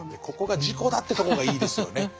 ここが自己だってとこがいいですよね。